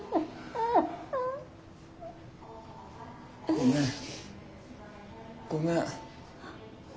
ごめんごめん。